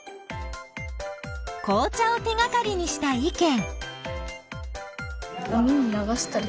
紅茶を手がかりにした意見。